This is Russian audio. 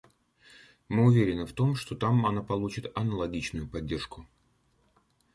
Мы уверены в том, что там она получит аналогичную поддержку.